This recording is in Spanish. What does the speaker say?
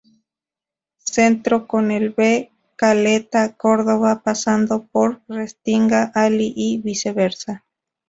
Centro con el B° Caleta Córdova pasando por Restinga Ali y viceversa.